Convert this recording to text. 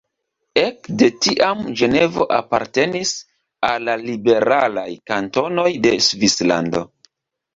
Ek de tiam Ĝenevo apartenis al la liberalaj kantonoj de Svislando.